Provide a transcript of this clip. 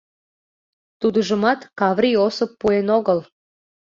Тудыжымат Каврий Осып пуэн огыл.